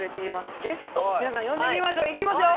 皆さん呼んでみましょう。いきますよ。